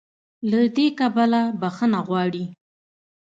له دې کبله "بخښنه غواړي"